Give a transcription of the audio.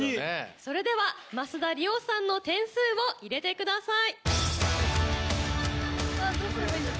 それでは増田吏桜さんの点数を入れてください。